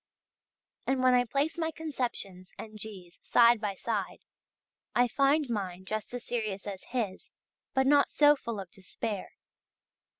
And when I place my conceptions and G's. side by side, I find mine just as serious as his but not so full of despair.